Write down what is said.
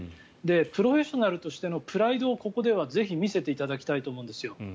プロフェッショナルとしてのプライドをここではぜひ見せてもらいたいと思うんですよ。